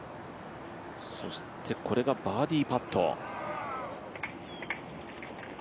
そしてこれがバーディーパット。